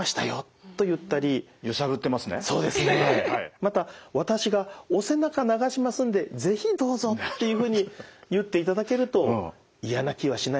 また「私がお背中流しますんで是非どうぞ」っていうふうに言っていただけると嫌な気はしないはずですからね。